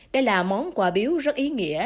đây là món quà biếu rất ý nghĩa